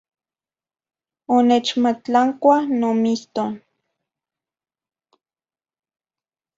Onechmatlancua nomiston.